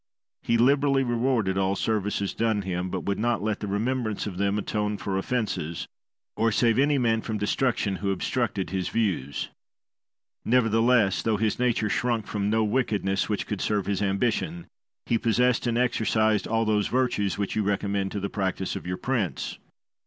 He liberally rewarded all services done him, but would not let the remembrance of them atone for offences or save any man from destruction who obstructed his views. Nevertheless, though his nature shrunk from no wickedness which could serve his ambition, he possessed and exercised all those virtues which you recommend to the practice of your prince.